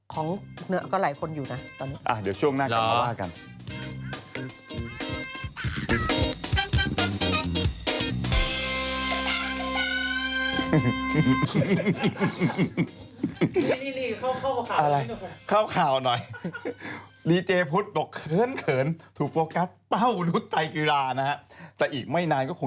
ของก็หลายคนอยู่นะตอนนี้เดี๋ยวช่วงหน้ากลับมาว่ากัน